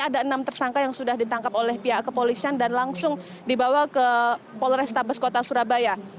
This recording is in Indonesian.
ada enam tersangka yang sudah ditangkap oleh pihak kepolisian dan langsung dibawa ke polrestabes kota surabaya